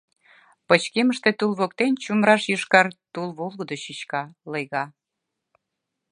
пычкемыште тул воктен чумыраш йошкар тул волгыдо чӱчка, лыйга;